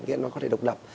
nghĩa là nó có thể độc lập